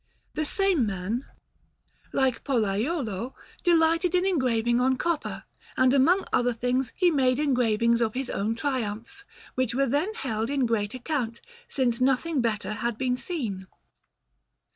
The same man, like Pollaiuolo, delighted in engraving on copper; and, among other things, he made engravings of his own Triumphs, which were then held in great account, since nothing better had been seen.